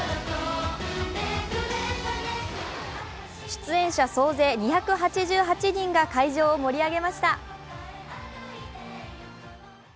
出演者総勢２８８人が会場を盛り上げました。